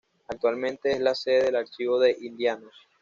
Actualmente es la sede del Archivo de Indianos.